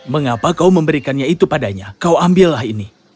mengapa kau memberikannya itu padanya kau ambillah ini